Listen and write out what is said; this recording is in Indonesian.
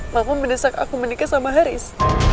aku mendesak aku menikah sama haris